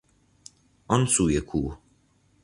آن سوی کوه